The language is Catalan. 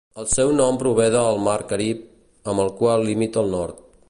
El seu nom prové del mar Carib, amb el qual limita al nord.